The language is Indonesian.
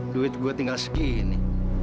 duit gue tinggal segini